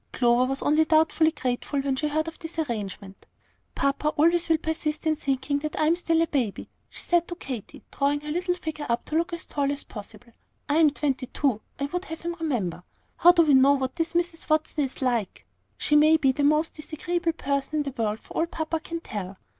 Clover was only doubtfully grateful when she heard of this arrangement. "Papa always will persist in thinking that I am a baby still," she said to Katy, drawing her little figure up to look as tall as possible. "I am twenty two, I would have him remember. How do we know what this Mrs. Watson is like? She may be the most disagreeable person in the world for all papa can tell."